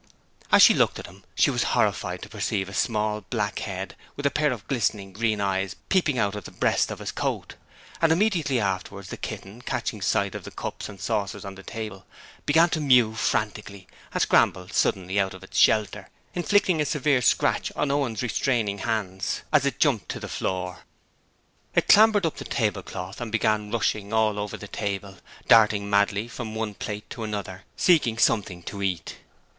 As she looked at him, she was horrified to perceive a small black head with a pair of glistening green eyes peeping out of the breast of his coat, and immediately afterwards the kitten, catching sight of the cups and saucers on the table, began to mew frantically and scrambled suddenly out of its shelter, inflicting a severe scratch on Owen's restraining hands as it jumped to the floor. It clambered up the tablecloth and began rushing all over the table, darting madly from one plate to another, seeking something to eat.